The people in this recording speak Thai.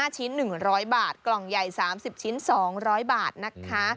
ชิ้น๑๐๐บาทกล่องใหญ่๓๐ชิ้น๒๐๐บาทนะคะ